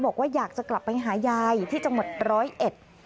บอกว่าอยากจะกลับไปหายายที่จังหวัด๑๐๑